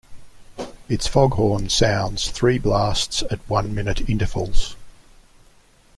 Its foghorn sounds three blasts at one-minute intervals.